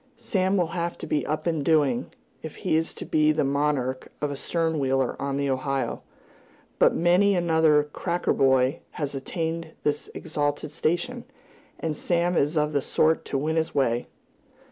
Sam will have to be up and doing, if he is to be the monarch of a stern wheeler on the Ohio; but many another "cracker" boy has attained this exalted station, and Sam is of the sort to win his way.